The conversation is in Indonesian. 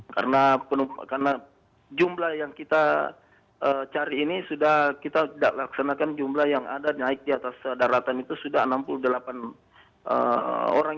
karena jumlah yang kita cari ini sudah kita laksanakan jumlah yang ada naik di atas daratan itu sudah enam puluh delapan orang